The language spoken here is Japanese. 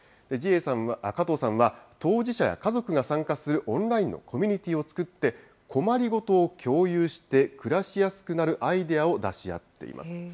加藤さんは、当事者や家族が参加するオンラインのコミュニティーを作って、困りごとを共有して、暮らしやすくなるアイデアを出し合っています。